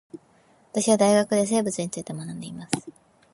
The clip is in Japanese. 私は大学で生物について学んでいます